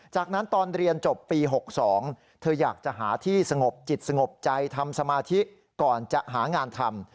จากนั้นตอนเรียนจบปี๖๒เธออยากจะหาที่สงบจิตสงบใจทำสมาธิก่อนจะหางานทำ